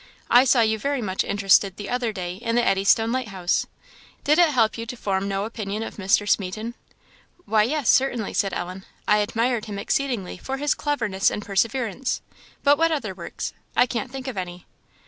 I saw you very much interested the other day in the Eddystone lighthouse; did it help you to form no opinion of Mr. Smeaton?" "Why, yes, certainly," said Ellen; "I admired him exceedingly for his cleverness and perseverance; but what other works? I can't think of any."